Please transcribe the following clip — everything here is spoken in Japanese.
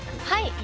はい。